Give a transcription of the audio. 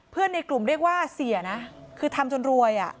เพื่อนในกลุ่มเรียกว่าเสียคือทำจนรวย